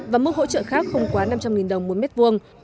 và mức hỗ trợ khác không quá năm trăm linh đồng mỗi mét vuông